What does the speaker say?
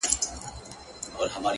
تر دې نو بله ښه غزله کتابي چیري ده ـ